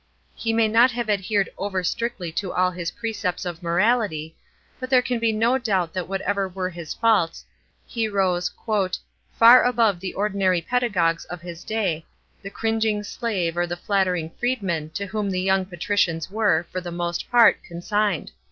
He mny not h.nve adhend over strictlv to all his precepts ol moralit\, but tj ere can be nodruht that whatever w re hi* faults, he rose " far above the culinary pi da^ogues of the day, the cri"gin>.r slave or the flattering freedman to wi om tb.3 young patricians were, for the most part, consigned.